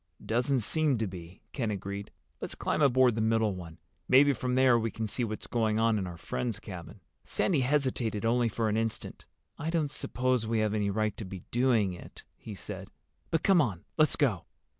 "Doesn't seem to be," Ken agreed. "Let's climb aboard the middle one. Maybe from there we can see what's going on in our friend's cabin." Sandy hesitated only for an instant. "I don't suppose we have any right to be doing it," he said. "But come on. Let's go."